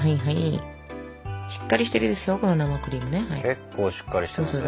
結構しっかりしてますよ。